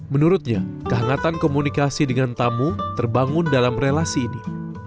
menurutnya kehangatan komunikasi dengan tamu terbangun dalam relasi ini